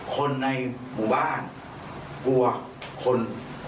คนในหมู่บ้านกลัวคน